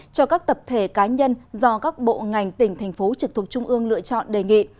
cho các tập thể cá nhân do các bộ ngành tỉnh thành phố trực thuộc trung ương lựa chọn đề nghị